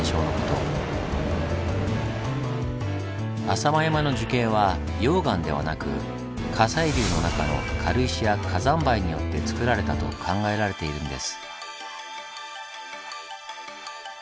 浅間山の樹型は溶岩ではなく火砕流の中の軽石や火山灰によってつくられたと考えられているんです。